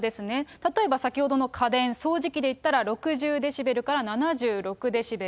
例えば先ほどの家電、掃除機でいったら６０デシベルから７６デシベル。